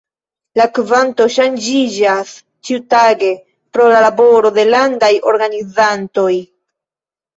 La kvanto ŝanĝiĝas ĉiutage pro la laboro de landaj organizantoj.